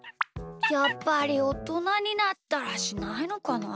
やっぱりおとなになったらしないのかな？